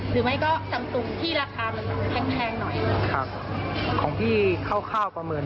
หรือไม่ก็ซัมซุงที่ราคามันแทงหน่อยครับของพี่เข้ากว่าเหมือน